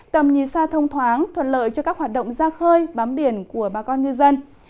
tầm nhìn xa thông thoáng thuận lợi cho các hoạt động ra khơi bám biển của bà con ngư dân